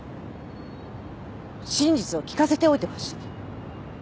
真実を聞かせておいてほしい。